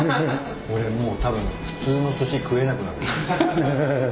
「俺もうたぶん普通のすし食えなくなる」